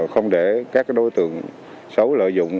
không để các đối tượng xấu lợi dụng